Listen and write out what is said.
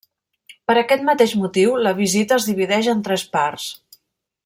Per aquest mateix motiu la visita es divideix en tres parts.